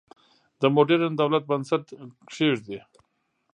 د موډرن دولت بنسټ کېږدي.